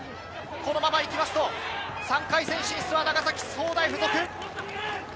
このまま行くと、３回戦進出は長崎総大附属。